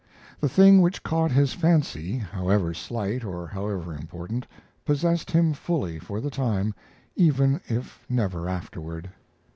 The thing which caught his fancy, however slight or however important, possessed him fully for the time, even if never afterward.